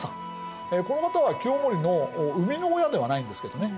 この方は清盛の生みの親ではないんですけどね